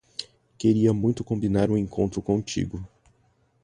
Queria muito combinar um encontro contigo.